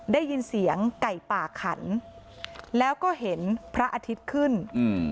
ได้ยินเสียงไก่ป่าขันแล้วก็เห็นพระอาทิตย์ขึ้นอืม